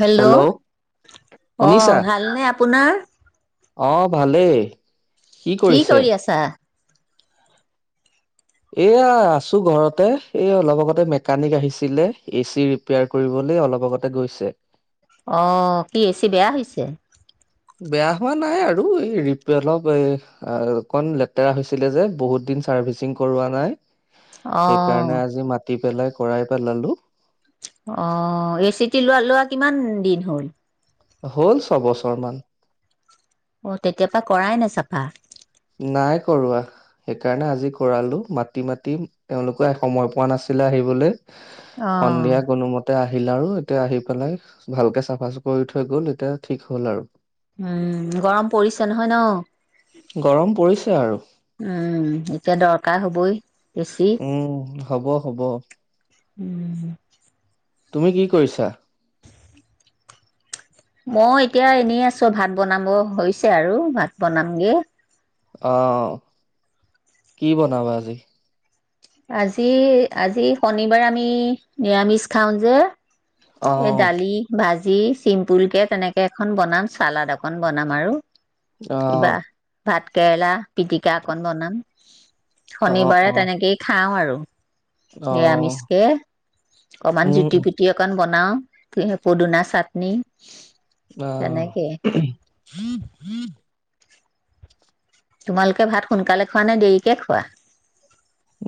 Hello অ শুনিছা ভালনে আপোনাৰ অ ভালেই কি কৰি আছা এয়া আছো ঘৰতে এই অলপ আগতে মেকানিক আহিছিলে এচি ৰিপেয়াৰ কৰিবলৈ অলপ আগতে গৈছে অ কি এচি বেয়া হৈছে বেয়া হোৱা নাই আৰু এই ৰিপে অলপ অকন লেতেৰা হৈছিলে যে বহুত দিন ছাৰ্ভিচিং কৰোৱা নাই অ সেইকাৰণে আজি মাটি পেলাই কৰাই পেলালো অ এ চি টি লোৱা লোৱা কিমান দিন হ'ল হ'ল ছবছৰ মান অ তেতিয়াৰ পৰাা কৰাই নাই চাফা নাই কৰোৱা সেইকাৰণে আজি কৰালোঁ মাতি মাতি তেওঁলোকে সময় পোৱা নাছিলে আহিবলৈ অ সন্ধিয়া কোনোমতে এয়া আহিলা আৰু এতিয়া আহি পেলাই ভালকে চাফা চুফ কৰি থৈ গল এতিয়া ঠিক হ'ল আৰু উম গৰম পৰিছে নহয় ন উম গৰম পৰিছে আৰু এতিয়া দৰকাৰ হবই বেছি উম হব হব উম তুমি কি কৰিছা মই এতিয়া এনেই আছো ভাত বনাব হৈছে আৰু ভাত বনামগে অহ কি বনাবা আজি আজি আজি শনিবাৰে আমি নিৰামিষ খাওঁ যে এই আহ দালি ভাজি যি চিম্পুলকে তেনেকে এখন বনাম চালড অকন বনাম আৰু কিবা অহ ভাত কেৰেলা পিটিকা অকন বনাম আহ শনিবাৰে অ তেনেকেই খাওঁ আৰু আৰু আহ নিৰামিষকে অকমান উম জুতি পুতি অকণ বন বনাও পদুনা চাটনি বাহ তেনেকে তোমালোকে ভাত সোনকালে খোৱা নে দেৰিকে খোৱা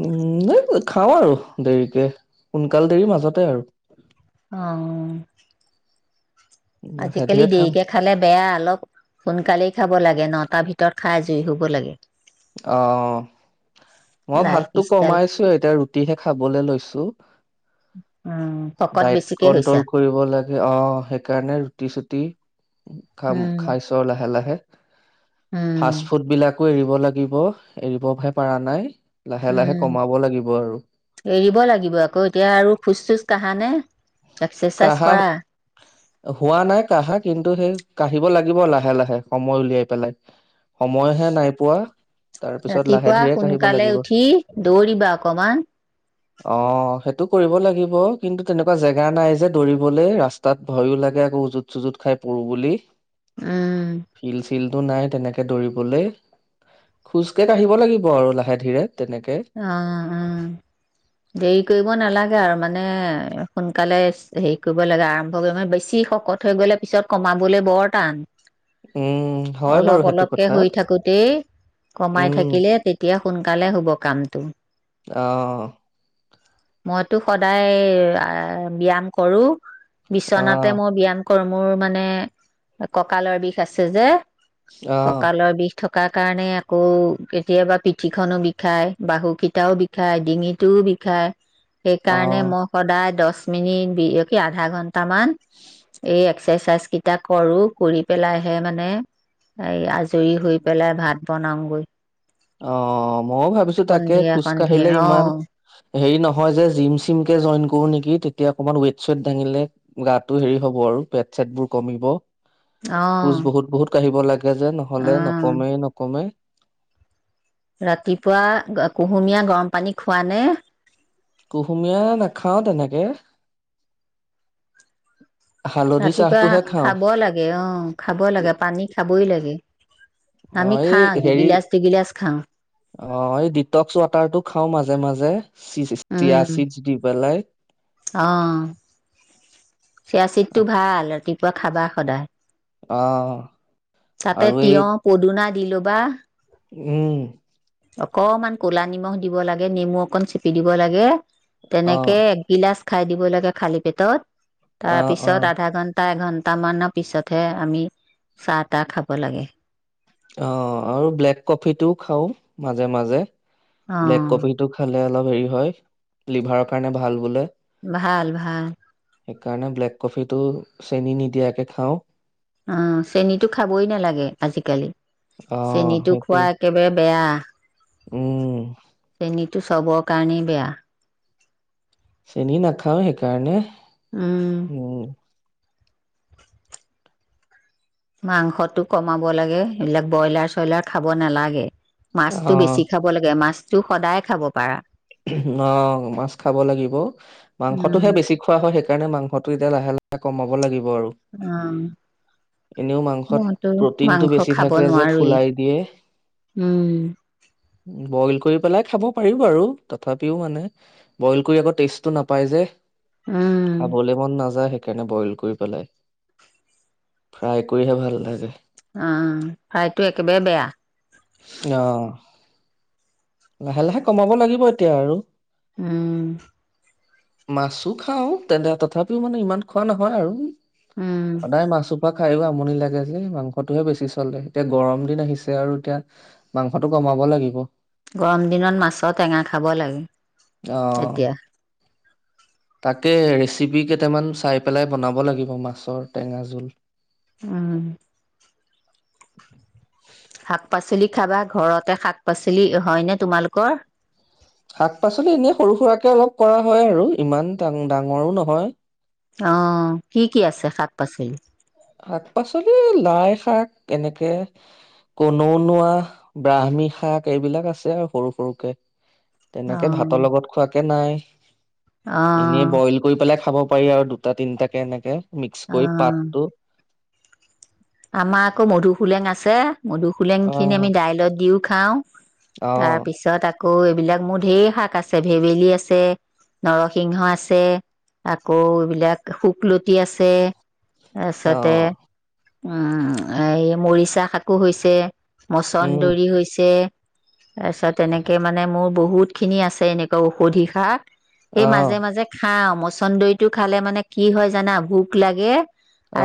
উম এই খাওঁ আৰু দেৰিকে সোনকাল দেৰি মাজতে আৰু অ আজিকালি সেধিৰে খাম দেৰিকে খালে বেয়া অলপ সোনকালেই খাব লাগে নটাৰ ভিতৰত খাই আজৰি হ'ব লাগে অ মই লাইফ ভাতটো ষ্টাইল কমাইছো এতিয়া ৰুটিহে খাবলে লৈছো উম শকত ডাইট বেছিকে হৈছা কন্ট্ৰল কৰিব লাগে অ সেইকাৰণে ৰুটি চুটি খাম উম খাইছো লাহে লাহে উম ফাষ্ট ফুড বিলাক কো এৰিব লাগে লাগিব এৰিবহে পাৰা নাই লাহে লাহে উম কমাব লাগিব আৰু এৰিব লাগিব আকৌ এতিয়া আৰু খোজ চোজ কাহানে এক্সাৰ্চাইজ কাহা কৰা হোৱা নাই কাহা কিন্তু সেই কাঢ়িব লাগিব লাহে লাহে সময় উলিয়াই পেলাই সময়হে নাই পোৱা তাৰপিছত লাহে ৰাতিপুৱা ধীৰে কাঢ়িব সোনকালে লাগিব উঠি দৌৰিবা অকমান আহ সেইটোক কৰিব লাগিব কিন্তু তেনেকুৱা জেগা নাই যে দৌৰিবলৈ ৰাস্তাত ভয়ো লাগে আকৌ উজুত চুজুত খাই পৰো বুলি উম ফিল চিলটো নাই তেনেকে দৌৰিবলে খোজ টো কাঢ়িব লাগিব আৰু লাহে ধীৰে তেনেকে আ আ দেৰি কৰিব নালাগে আৰু মানে সোনকালে হেৰি কৰিব লাগে আৰম্ভ কৰিব মানে বেছি শকত হৈ গলে পিছত কমাবলৈ বৰ টান উম হয় বাৰু অলপ সেইটো অলপকে কথা হৈ থাকোতেই কমাই উম থাকিলে তেতিয়া সোনকালে হ'ব কামটো অহ মইতো সদায় ব্যায়াম কৰো বিচনাতে অ', মই ব্যায়াম কৰ্মোৰ মানে ককালৰ বিষ আছে যে অ', কঁকালৰ বিষ থকা থকাৰ কাৰণে আকৌ কেতিয়াবা পিঠিখনো বিষায় বাহুকেইটাও বিষায় ডিঙিটোও বিষায় সেইকাৰণে অ', মই সদায় দহ প মিনিট বিক আধা ঘন্টামান এই এক্সাৰচাইজ কেইটা কৰো কৰি পেলাইহে মানে এই আজৰি হৈ পেলাই ভাত বনাওগৈ অ মই ভাব ত পিছো তাকে খোজ সন্ধিয়া কাঢ়িলে অ ইমান অ হে নহয় যে জি চি কে জইন কৰো নেকি তেতিয়া অকমান ৱ চ দাঙে গটো হ হব আৰু ক খুজ অ বহুত বহুত আহিব লাগে তে যে নহলে নকমেই নকমেই ৰাতিপুৱা কুহুমীয়া গৰম পানী খোৱা নে কুহুমীয়া নাখাও তেনেকে হালধি ৰাতিপুৱা চাহটোহে খাওঁ খাব লাগে অ খাব লাগে পানী খাবই লাগে অ আমি এই খাওঁ হেৰি দুগিলাচ দুগিলাচ খাওঁ অ এই ডিটক্স ৱাটাৰটো খাও মাজে মাজে চ চিয়া উম চিডছ দি পেলাই চৰা চিতটো ভাল ৰাতিপুৱা খাবা সদায় অ আৰু এই শুনা দিলো বা উম অকণমান ক'লা নিমখ দিব লাগে নেমু অকণ চেপি দিব লাগে অ', তেনেকে একগিলাচ খাই দিব লাগে খালী পেটত তাৰ অ', অ'। পিছত আধা ঘন্টা এঘন্টা সট মানৰ পিছতহে আমি চাহ তাহ খাব লাগে অ আৰু ব্লেক কফিিতটো খাও মাজে মাজে অ ব্লেক কপ টো খালে অলপ হেৰি হয় লিভাৰৰ কাৰণে ভাল বোলে ভাল ভাল সেইকাৰণে ব্লেক কফিটো চেনিী নিদিয়াকে খাওঁ অ চেনীতো খাবই নালাগে আজিকালি অ চেনীতো খোৱা সেইটোৱে একেবাৰে বেয়া উ উম চেনী তটো চবৰ কাৰণেই বেয়া চেনি নাখাও সেইকাৰণে উম উম মাংসতো কমাব লাগে এইবিলাক ব্ৰইলাৰ চইলাৰ খাব নালাগে অ মাছতটো বেছি খাব লাগে মাছ তোৰ সদায় খাব পাৰা অ মাছ খাব লাগিব উম মাংসটোহে বেছি খোৱা হয় সেই সেইণোংসটো এয়া লাহে লাহে কমাব লাগিব উম এনেও মাংসত মইতো প্ৰটিনটো মাংস বেছি খাব থাকে যে নোৱাৰোৱেই ফুলাই দিয়ে উম বইল কৰি পেলাই খাব পাৰিব আৰু তথাপিও মানে বইল কৰি আকৌ টেষ্টটো নাপাই যে উম খাবলে মন নাযায় স সকাৰণে বইল কৰি পেলাই ফ্ৰাই কৰিহে ভাল লাগে অ ফ্ৰাইটো একেবাৰে বেয়া আহ লাহে লাহে কমাব লাগিব এতিয়া আৰু উম মাছো খাও তেন্ত তথাপিও মানে ইমান খোৱা নহয় আৰু উম সদায় মাছো [unintelligible] খাইও আমনি লাগে যে মাংসটোহে বেছি চলে এতিয়া গৰম দিন আহিছে আৰু এতিয়া মাংসটো কমাব লাগিব গৰম দিনত মাছৰ টেঙা খাব লাগে এতিয়া তাকে ৰেচিপি কেইটামান চাই পেলাই বনাব লাগিব মাছৰ টেঙা জোল অ শাক পাচলি খাবা ঘৰতে শাক পাচলি হয়নে তোমালোকৰ শাক পাচলি এনেই সৰু সুৰাককে অলপ কৰা হয় আৰু ইমান ডাঙৰো নহয় অ কি কি আছে শাক পাচলি শাক পাচলি লাই শাক এনেকে কনৌনোৱাা ব্ৰাহ্মী শাক এইবিলাক আছে আৰু সৰু সৰুকে অ তেনেকে ভাতৰ লগত খোৱাকে কে নাই অ এনেই বইল কৰি পেলাই খাব পাৰি আৰু দুটা তিনিটা কে এনেকে মিক্স কৰি অ পাত আমাৰ আকৌ মধু সোলেং আছে মধুসোলেং খিনি অ', আমি দাইলত দিও খাওঁ তাৰ অ', পিছত আকৌ এইবিলাক মোৰ ঢেৰ শাক আছে ভেবেলী আছে নৰসিংহ আছে আকৌ এইবিলাক শুকলতি আছে আছতে অ', উম এই মৰিচা শাকো হৈছে উম, মচন্দৰী হৈছে তাৰপিছত তেনেকে মানে মোৰ বহুত খিনি আছে এনেকুৱা ঔষধি শাক এই অ', মাজে মাজে খ খাওঁ মচন্দৰটো খালে মানে কি হয় জানা ভোক লাগে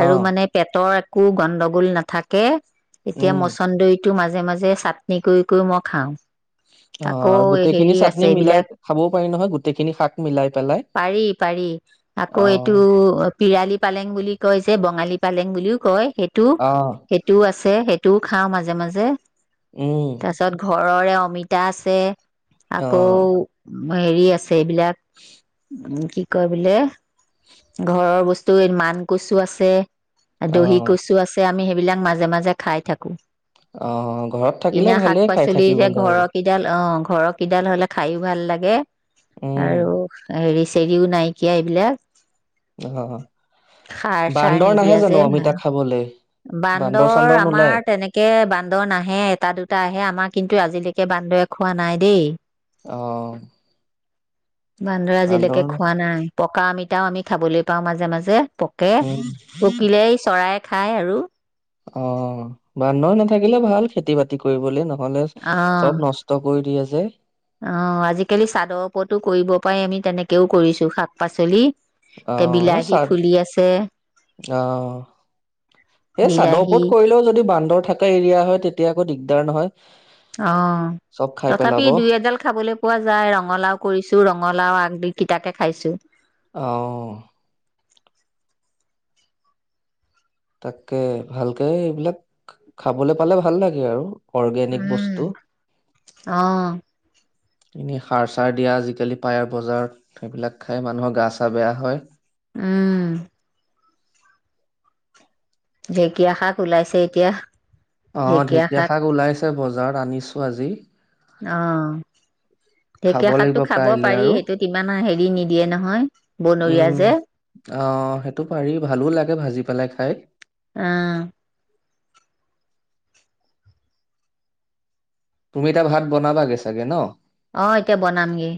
আৰু মানে পেটৰ একো গণ্ডগোল নাথাকে এতিয়া উম, মচন্দইত টো মাজে মাজে চাটনি কৰি কৰি মই খাওঁ অ', আকৌ আৰু গোটেইখিনি হেৰি চাটনি আছে মিলাই এইবিলাক খাবও পাৰি নহয় গোটেইখিনি শাক মিলাই পেলাই পাৰি পাৰি আকৌ এইটো অ', পিৰালি পালেং বুলি কয় যে বঙালী পালেং [unintelligible] হয় সেইটো অ', সেইটোও আছে সেই তু খাও মাজে মাজে উম তাৰপিছত ঘৰৰে অমিতা আছে আকৌ অ', হেৰি আছে এইবিলাক উ কি কয় বোলে ঘৰৰ বস্তু মান কচু আছে দহি অ', কচু আছে আমি বিলাক মাজে মাজে খাই থাকো অহ ঘৰত কিনা থাকিলে ভালেই খাই থাকিবলৈ আৰু ঘৰহ কিডাল হ'লে খাইয়ো ভাল লাগে উম, আৰু হেৰি চেৰিও নাইকিয়া এইবিলাক অ সাৰ চাৰ বান্দৰ নাহে নিদিয়া যে জানো ন ভাল অমিতা খাবলে বান্দৰ আমাৰ তেনেকে বান্দৰ নাহে এটা দুটা আহে আমাৰ কিন্তু আজিলৈকে একে বান্দৰে খোৱা নাই দেই অ বান্দৰে বান্দৰ আজিলৈকে ন- খোৱা নাই পকা আমিতাও আমি খাবলৈ পাওঁ মাজে মাজে পকে উম পকিলে এই চৰাইক খাই আৰু অ বান্দৰ নাথাকিলে ভাল খেতি বাতি কৰিবলৈ ন নহলে অ চব নষ্ট কৰি দি আছে যে অ আজিকালি চাদৰ ওপৰতো কৰিব পাৰি আমি তেনেকেও কৰিছো শাক পাচলি অ কে ন বিলাহী চাদ ফুলি আছে আহ সেই চাদৰ বিলাহী ওপৰত কৰিলেও যদি বান্দৰ থকা এৰিয়া হয় তেতিয়া আকৌ দিগদাৰ নহয় অ চব খাই তথাপি পেলাব দুই এডাল খাবলৈ পোৱা যায় ৰঙালাও কৰিছো ৰ কঙলাও আগদি কটাকে খাইছো আহ তাককে ভালকে এইবিলাক খাবলৈ পালে ভাল লাগে আৰু অৰ্গেনিক উম বস্তু অ এনেই সাৰ চাৰ দিয়া আজিকালি পায়াৰ বজাৰত সেইবিলাক খাই মানুহৰ গা চা বেয়া হয় উম ঢেঁকীয়া শাক ওলাইছে এতিয়া অ ঢেকীয়া শাক ওলাইছে ছে বজাৰ আনিছো আজি আহ খাব ঢেকীয়া লাগিব শাকতো খাব কাইলে পাৰি আৰু সেইটো ইমান হে দি নিদিয়ে নহয় বনৰীয়া উম যে আহ সেইটো পাৰি ভালো লাগে ভাজি পেলাই খাই অ তুমি এটা ভাত বনাবাগে চাগে ন অ এতিয়া বনামগে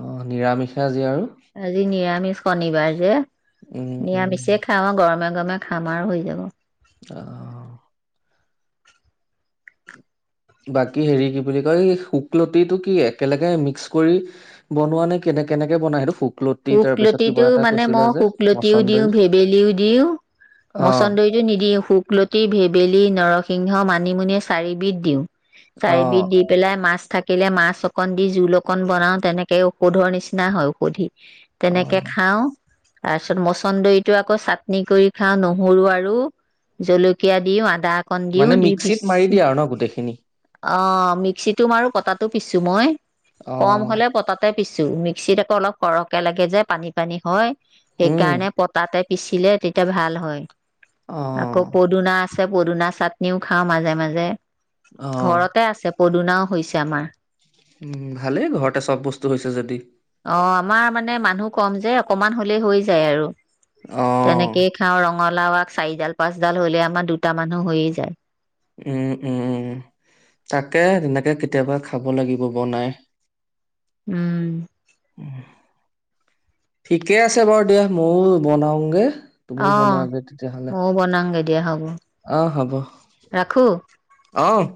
অ নিৰামিষে আজি আৰু আজি নিৰামিষ শনিবাৰ যে উম উম নিৰামিষেই খাওঁ গৰমে মে খামাৰ হৈ যাব আহ বাকী হেৰি কি বুলি কয় এই শুকলতিটো কি একেলগে মিক্স কৰি বনোৱা নে কেনে কেনেকে বনাই সেইটো শু শুকলকলতিটো মানে মই শুকলতিও দিওঁ মচন্দৰী ভেবেলীও দিওঁ অ' মচন্দৰিটো নিদিওঁ শুক শুকলতি ভেবেলী নৰসিংহ মানিমুনি চাৰিবিধ দিওঁ চাৰিিবধ অ' দি পেলাই মাছ থাকিলে মাছ অকণ দি জোল অকণ বনাও তেনেকে ঔষধৰ নিচিনা হয় ঔষধি তেনেকে অ' খাও তাৰ পিছত মচন্দৰিতটো আকৌ চাটনি কৰি খাওঁ নহৰু আৰু জলকীয়া দিওঁ আদা অকণ দিওঁ মানে দি মিক্সিত মাৰি পিচি দিয়ে আৰু ন গোটেইখিনি অ মিক্সিতটো মাৰো কটাটো পিছো মই কম অ' হ'লে পতাতে পিছো মিক্সিত কৌ অলপ সৰহকে লাগে যে পানী পানী হয় উম সেইকাৰণে পতাতে পিচিলে তেতিয়া ভাল হয়। আকৌ অ' পদুনা আ। আছে পদুনা চাটনিও খাওঁ মাজে- মাজে। অ' ঘৰতে আছে। পদুনাও হৈছে আমাৰ। উম', ভালেই ঘৰতে চব বস্তু হৈছে যদি। অ আমাৰ মানে মানুহ কম যে অকমান হ'লেই হৈ যায় আৰু। অ' তেনেকেই খাওঁ ৰং কঙ লাওআগ চাৰিডাল, পাঁচডাল হলে আমাৰ দুটা মানুহ হৈয়ে যায়। উম', -উম', - উম', তাকে তেনেকে। কেতিয়াবা খাব লাগিব বনাই। উম', ঠিকে আছে বাৰু দিয়া ময়ো বনাওগে। তুমিও অহ', মই বনাংগে। এয়া হওক। অহ', হব। অহ',